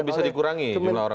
kok bisa dikurangi